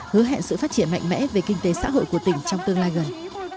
hứa hẹn sự phát triển mạnh mẽ về kinh tế xã hội của tỉnh trong tương lai gần